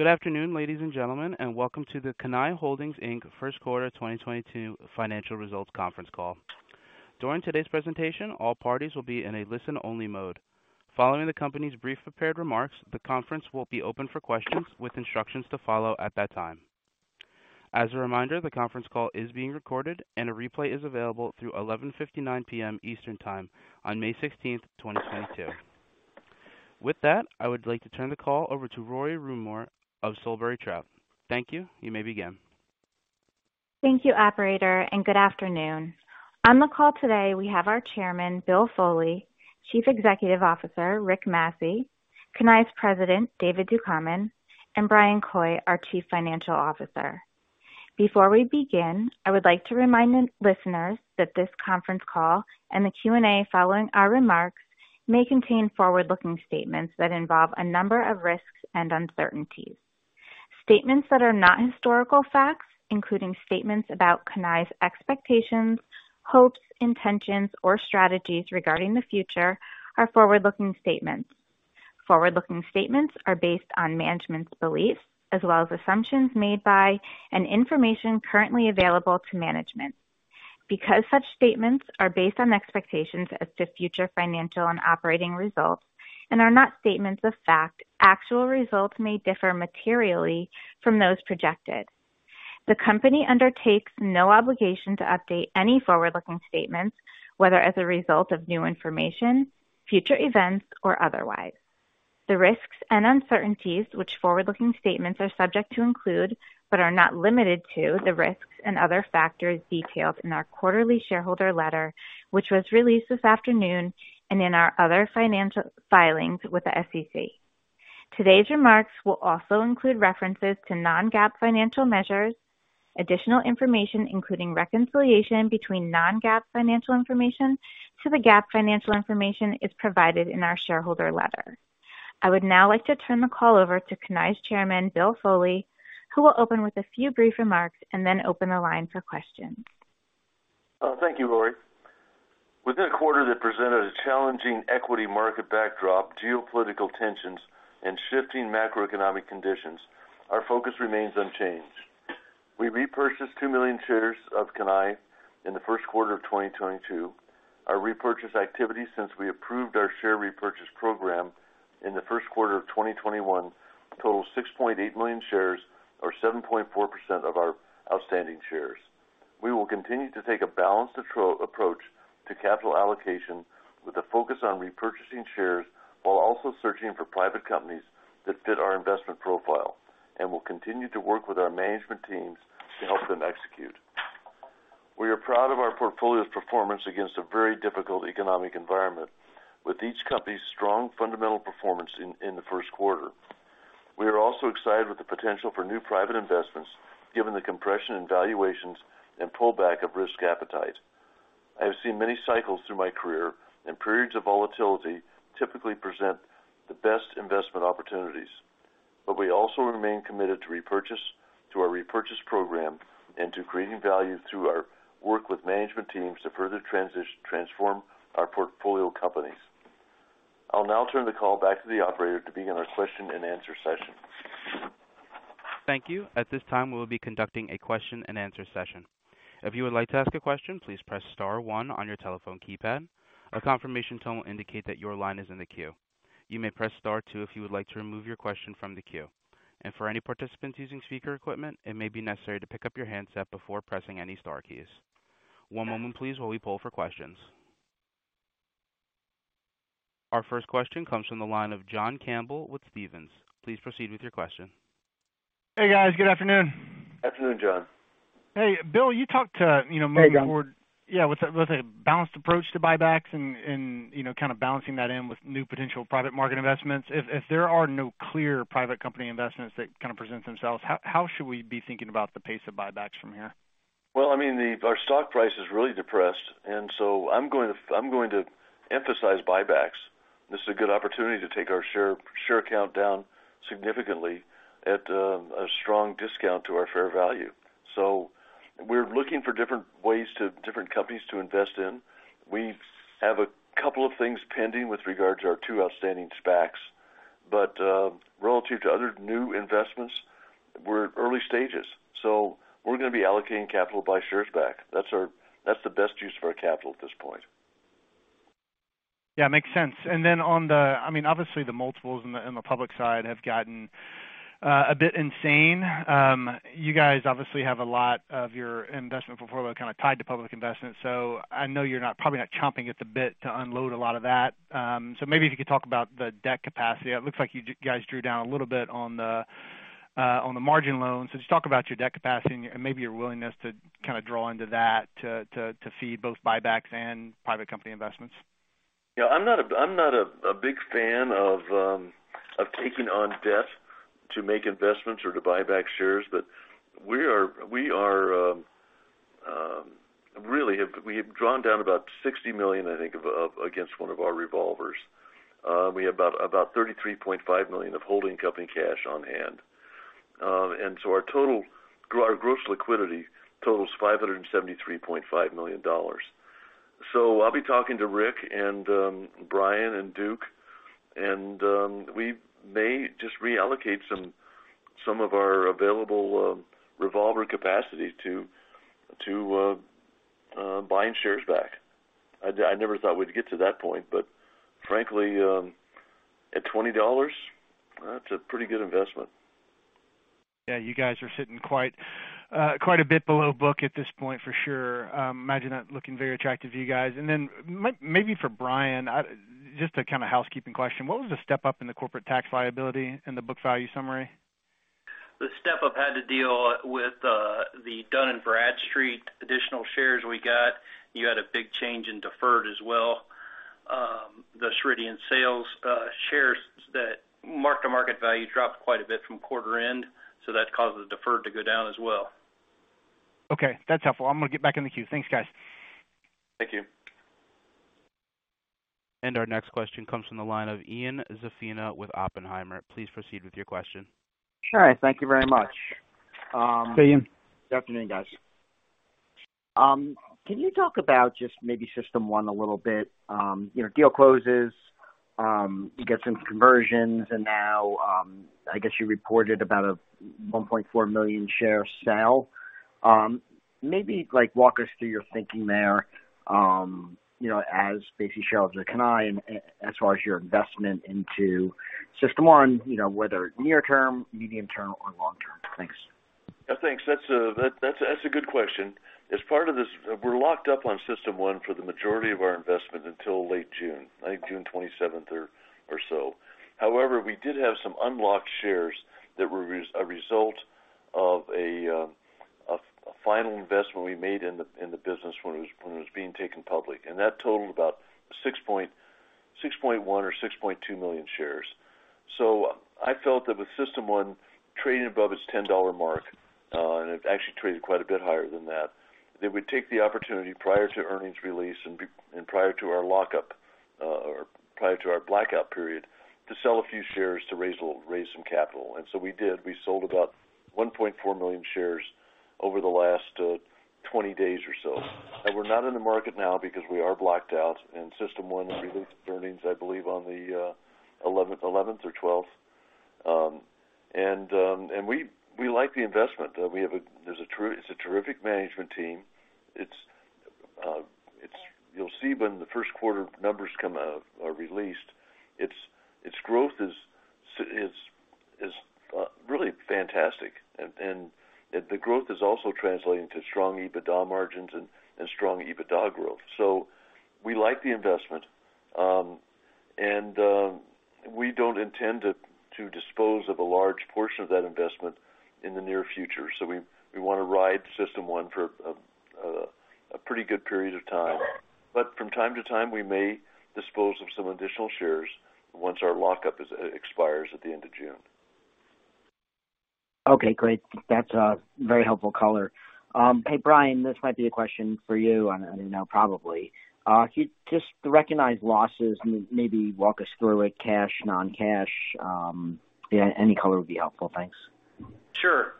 Good afternoon, ladies and gentlemen, and welcome to the Cannae Holdings, Inc First Quarter 2022 Financial Results Conference Call. During today's presentation, all parties will be in a listen-only mode. Following the company's brief prepared remarks, the conference will be open for questions with instructions to follow at that time. As a reminder, the conference call is being recorded and a replay is available through 11:59 P.M. Eastern Time on May 16th, 2022. With that, I would like to turn the call over to Rory Rumore of Solebury Trout. Thank you. You may begin. Thank you, operator, and good afternoon. On the call today, we have our Chairman, Bill Foley, Chief Executive Officer, Rick Massey, Cannae's President, David Ducommun, and Bryan Coy, our Chief Financial Officer. Before we begin, I would like to remind the listeners that this conference call and the Q&A following our remarks may contain forward-looking statements that involve a number of risks and uncertainties. Statements that are not historical facts, including statements about Cannae's expectations, hopes, intentions, or strategies regarding the future are forward-looking statements. Forward-looking statements are based on management's beliefs as well as assumptions made by and information currently available to management. Because such statements are based on expectations as to future financial and operating results and are not statements of fact, actual results may differ materially from those projected. The company undertakes no obligation to update any forward-looking statements, whether as a result of new information, future events or otherwise. The risks and uncertainties which forward-looking statements are subject to include, but are not limited to, the risks and other factors detailed in our quarterly shareholder letter, which was released this afternoon and in our other financial filings with the SEC. Today's remarks will also include references to non-GAAP financial measures. Additional information, including reconciliation between non-GAAP financial information to the GAAP financial information, is provided in our shareholder letter. I would now like to turn the call over to Cannae's chairman, Bill Foley, who will open with a few brief remarks and then open the line for questions. Oh, thank you, Rory. Within a quarter that presented a challenging equity market backdrop, geopolitical tensions, and shifting macroeconomic conditions, our focus remains unchanged. We repurchased 2 million shares of Cannae in the first quarter of 2022. Our repurchase activity since we approved our share repurchase program in the first quarter of 2021 totals 6.8 million shares or 7.4% of our outstanding shares. We will continue to take a balanced approach to capital allocation with a focus on repurchasing shares while also searching for private companies that fit our investment profile and will continue to work with our management teams to help them execute. We are proud of our portfolio's performance against a very difficult economic environment with each company's strong fundamental performance in the first quarter. We are also excited with the potential for new private investments given the compression in valuations and pullback of risk appetite. I have seen many cycles through my career, and periods of volatility typically present the best investment opportunities. We also remain committed to our repurchase program and to creating value through our work with management teams to further transform our portfolio companies. I'll now turn the call back to the operator to begin our question-and-answer session. Thank you. At this time, we will be conducting a question-and-answer session. If you would like to ask a question, please press star one on your telephone keypad. A confirmation tone will indicate that your line is in the queue. You may press star two if you would like to remove your question from the queue. For any participants using speaker equipment, it may be necessary to pick up your handset before pressing any star keys. One moment please while we poll for questions. Our first question comes from the line of John Campbell with Stephens. Please proceed with your question. Hey, guys. Good afternoon. Afternoon, John. Hey, Bill, you know, moving forward. Hey, John. Yeah. With a balanced approach to buybacks and, you know, kind of balancing that in with new potential private market investments. If there are no clear private company investments that kind of presents themselves, how should we be thinking about the pace of buybacks from here? Well, I mean, our stock price is really depressed, and so I'm going to emphasize buybacks. This is a good opportunity to take our share count down significantly at a strong discount to our fair value. We're looking for different companies to invest in. We have a couple of things pending with regard to our two outstanding SPACs. Relative to other new investments, we're early stages, so we're gonna be allocating capital to buy shares back. That's the best use of our capital at this point. Yeah, makes sense. I mean, obviously the multiples in the public side have gotten a bit insane. You guys obviously have a lot of your investment portfolio kind of tied to public investments, so I know you're probably not chomping at the bit to unload a lot of that. Maybe if you could talk about the debt capacity. It looks like you guys drew down a little bit on the margin loans. Just talk about your debt capacity and maybe your willingness to kind of draw into that to feed both buybacks and private company investments. Yeah. I'm not a big fan of taking on debt to make investments or to buy back shares. We have drawn down about $60 million, I think, against one of our revolvers. We have about $33.5 million of holding company cash on hand. Our gross liquidity totals $573.5 million. I'll be talking to Rick and Bryan and Duke, and we may just reallocate some of our available revolver capacity to buying shares back. I never thought we'd get to that point, but frankly, at $20, that's a pretty good investment. Yeah, you guys are sitting quite a bit below book at this point, for sure. Imagine that looking very attractive to you guys. Maybe for Bryan, just a kinda housekeeping question. What was the step-up in the corporate tax liability in the book value summary? The step-up had to deal with the Dun & Bradstreet additional shares we got. You had a big change in deferred as well. The Ceridian sales shares that mark-to-market value dropped quite a bit from quarter end, so that caused the deferred to go down as well. Okay, that's helpful. I'm gonna get back in the queue. Thanks, guys. Thank you. Our next question comes from the line of Ian Zaffino with Oppenheimer. Please proceed with your question. All right. Thank you very much. Hey, Ian. Good afternoon, guys. Can you talk about just maybe System1 a little bit? You know, deal closes, you get some conversions, and now, I guess you reported about a 1.4 million share sale. Maybe, like, walk us through your thinking there, you know, as basically shareholders of Cannae as far as your investment into System1, you know, whether near-term, medium-term, or long-term. Thanks. Yeah, thanks. That's a good question. As part of this, we're locked up on System1 for the majority of our investment until late June. I think June twenty-seventh or so. However, we did have some unlocked shares that were a result of a final investment we made in the business when it was being taken public. That totaled about 6.1 million or 6.2 million shares. I felt that if System1 traded above its $10 mark, and it actually traded quite a bit higher than that we'd take the opportunity prior to earnings release and prior to our lockup or prior to our blackout period, to sell a few shares to raise some capital. We did. We sold about 1.4 million shares over the last 20 days or so. We're not in the market now because we are blocked out, and System1 will release its earnings, I believe, on the 11th or 12th. We like the investment. It's a terrific management team. It's terrific. You'll see when the first quarter numbers are released, its growth is really fantastic. The growth is also translating to strong EBITDA margins and strong EBITDA growth. We like the investment. We don't intend to dispose of a large portion of that investment in the near future. We wanna ride System1 for a pretty good period of time. From time to time, we may dispose of some additional shares once our lockup expires at the end of June. Okay, great. That's a very helpful color. Hey, Bryan, this might be a question for you, I know, probably. If you'd just realize losses and maybe walk us through, like, cash, non-cash, yeah, any color would be helpful. Thanks. Sure.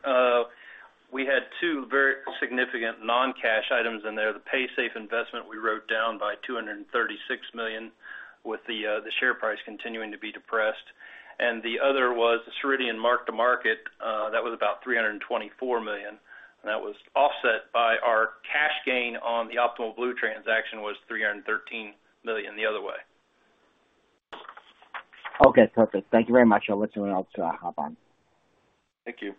We had two very significant non-cash items in there. The Paysafe investment we wrote down by $236 million with the share price continuing to be depressed. The other was the Ceridian mark-to-market that was about $324 million. That was offset by our cash gain on the Optimal Blue transaction was $313 million the other way. Okay, perfect. Thank you very much. I'll let someone else hop on. Thank you.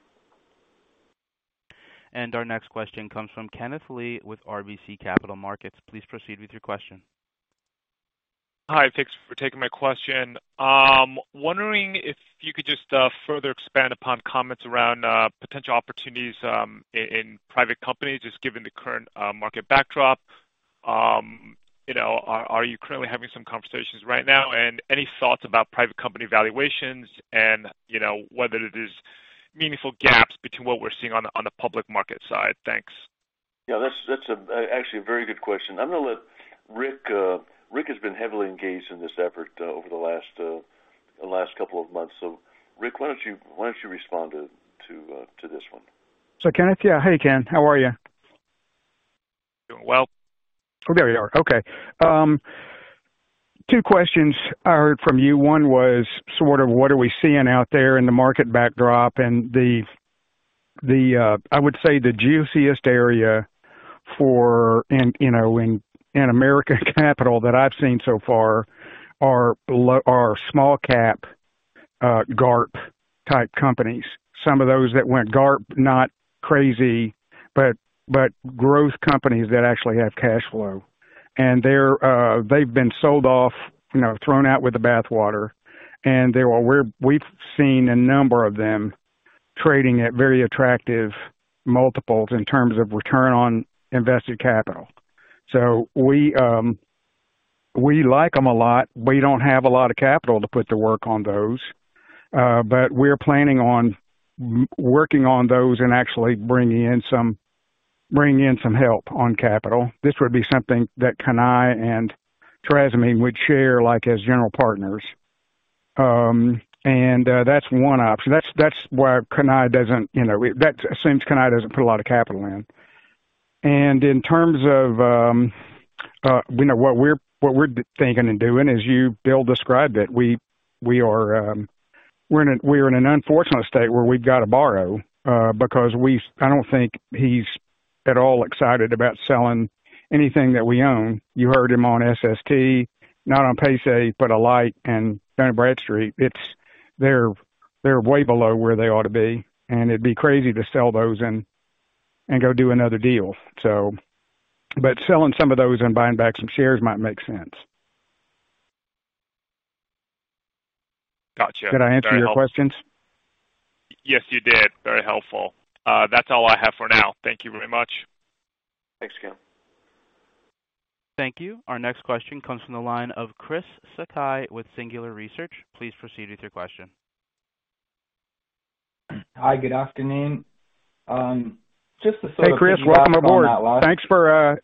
Our next question comes from Kenneth Lee with RBC Capital Markets. Please proceed with your question. Hi. Thanks for taking my question. Wondering if you could just further expand upon comments around potential opportunities in private companies, just given the current market backdrop. You know, are you currently having some conversations right now? Any thoughts about private company valuations and, you know, whether it is meaningful gaps between what we're seeing on the public market side? Thanks. Yeah, that's actually a very good question. I'm gonna let Rick. Rick has been heavily engaged in this effort over the last couple of months. Rick, why don't you respond to this one? Kenneth. Yeah. Hey, Ken. How are you? Doing well. There you are. Okay. Two questions I heard from you. One was sort of what are we seeing out there in the market backdrop? The I would say the juiciest area for, you know, in American capital that I've seen so far are small cap GARP-type companies. Some of those that went GARP, not crazy, but growth companies that actually have cash flow. They've been sold off, you know, thrown out with the bathwater. We've seen a number of them trading at very attractive multiples in terms of return on invested capital. We like them a lot. We don't have a lot of capital to put to work on those. But we're planning on working on those and actually bringing in some help on capital. This would be something that Cannae and Trasimene would share, like, as general partners. That's one option. That's why Cannae doesn't, you know. That seems Cannae doesn't put a lot of capital in. In terms of, you know, what we're thinking and doing, as you, Bill, described it, we are in an unfortunate state where we've gotta borrow, because I don't think he's at all excited about selling anything that we own. You heard him on SST, not on Paysafe, but Alight and Dun & Bradstreet. They're way below where they ought to be, and it'd be crazy to sell those and go do another deal. But selling some of those and buying back some shares might make sense. Gotcha. Did I answer your questions? Yes, you did. Very helpful. That's all I have for now. Thank you very much. Thanks again. Thank you. Our next question comes from the line of Chris Sakai with Singular Research. Please proceed with your question. Hi, good afternoon. Hey, Chris, welcome aboard. Thanks for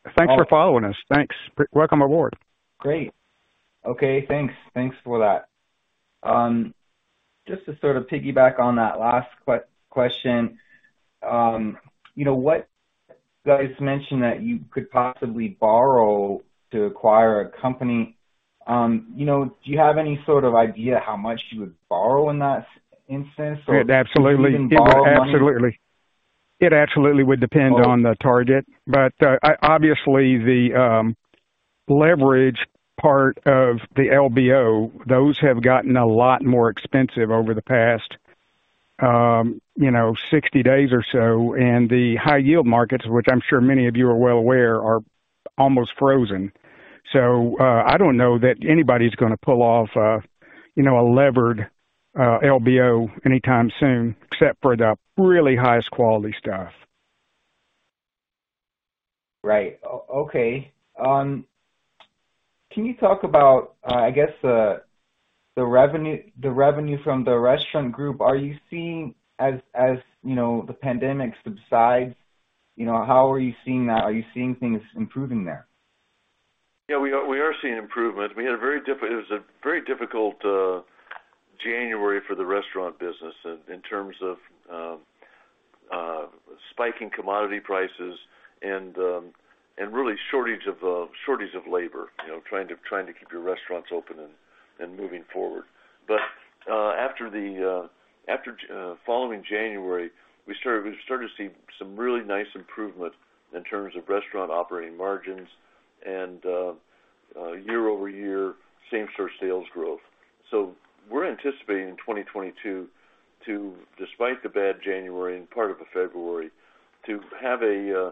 following us. Thanks. Welcome aboard. Great. Okay, thanks. Thanks for that. Just to sort of piggyback on that last question, you know, what you guys mentioned that you could possibly borrow to acquire a company, you know, do you have any sort of idea how much you would borrow in that instance, or? It absolutely. Could you even borrow money? It absolutely would depend on the target. Obviously, the leverage part of the LBO, those have gotten a lot more expensive over the past, you know, 60 days or so. The high yield markets, which I'm sure many of you are well aware, are almost frozen. I don't know that anybody's gonna pull off, you know, a levered LBO anytime soon, except for the really highest quality stuff. Right. Okay. Can you talk about, I guess, the revenue from the restaurant group? Are you seeing, as you know, the pandemic subsides, you know, how are you seeing that? Are you seeing things improving there? Yeah, we are seeing improvement. It was a very difficult January for the restaurant business in terms of spiking commodity prices and a real shortage of labor, you know, trying to keep your restaurants open and moving forward. Following January, we started to see some really nice improvement in terms of restaurant operating margins and year-over-year same store sales growth. We're anticipating in 2022 to, despite the bad January and part of the February, to have a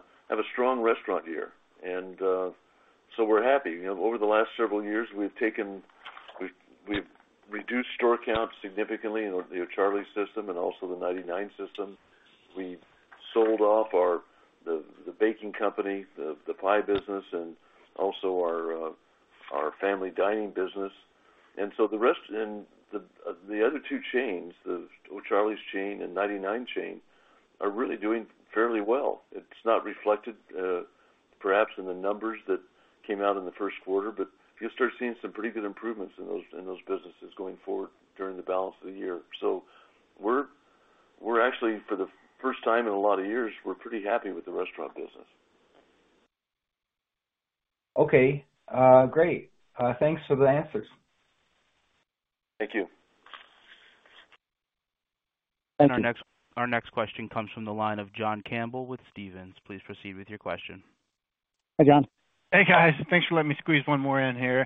strong restaurant year. We're happy. You know, over the last several years, we've reduced store counts significantly in the O'Charley's system and also the 99 system. We've sold off our baking company, the pie business, and also our family dining business. The rest of the other two chains, the O'Charley's chain and 99 chain, are really doing fairly well. It's not reflected perhaps in the numbers that came out in the first quarter, but you'll start seeing some pretty good improvements in those businesses going forward during the balance of the year. We're actually, for the first time in a lot of years, pretty happy with the restaurant business. Okay. Great. Thanks for the answers. Thank you. Thank you. Our next question comes from the line of John Campbell with Stephens. Please proceed with your question. Hi, John. Hey, guys. Thanks for letting me squeeze one more in here.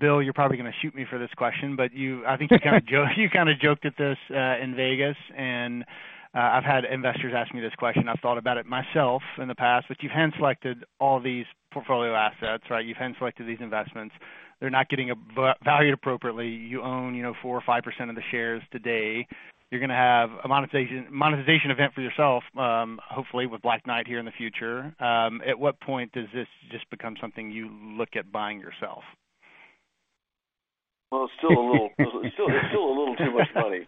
Bill, you're probably gonna shoot me for this question, but I think you kinda joked at this in Vegas, and I've had investors ask me this question. I've thought about it myself in the past. You hand selected all these portfolio assets, right? You've hand selected these investments. They're not getting valued appropriately. You own, you know, 4%-5% of the shares today. You're gonna have a monetization event for yourself, hopefully with Black Knight here in the future. At what point does this just become something you look at buying yourself? It's still a little too much money.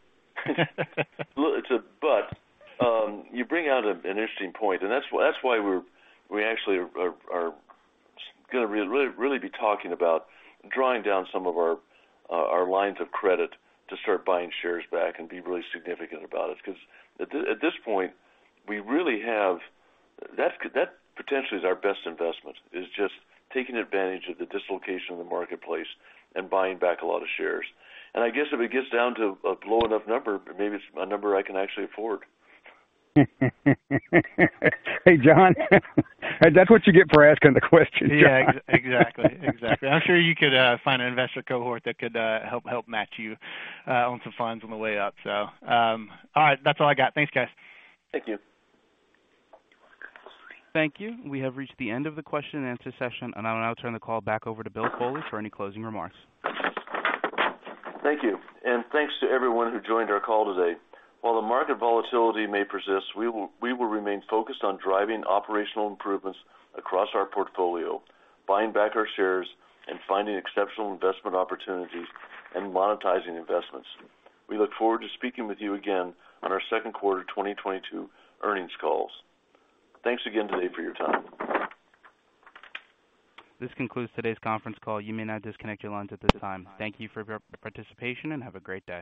You bring out an interesting point, and that's why we actually are gonna really be talking about drawing down some of our lines of credit to start buying shares back and be really significant about it. 'Cause at this point, that potentially is our best investment, is just taking advantage of the dislocation in the marketplace and buying back a lot of shares. I guess if it gets down to a low enough number, maybe it's a number I can actually afford. Hey, John, that's what you get for asking the question, John. Yeah, exactly. Exactly. I'm sure you could find an investor cohort that could help match you own some funds on the way up. All right. That's all I got. Thanks, guys. Thank you. Thank you. We have reached the end of the question-and-answer session, and I will now turn the call back over to Bill Foley for any closing remarks. Thank you, and thanks to everyone who joined our call today. While the market volatility may persist, we will remain focused on driving operational improvements across our portfolio, buying back our shares, and finding exceptional investment opportunities and monetizing investments. We look forward to speaking with you again on our second quarter 2022 earnings calls. Thanks again today for your time. This concludes today's conference call. You may now disconnect your lines at this time. Thank you for your participation and have a great day.